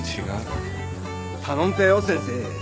頼んてよ先生。